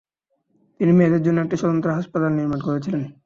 তিনি মেয়েদের জন্য একটি স্বতন্ত্র হাসপাতাল নির্মাণ করেছিলেন।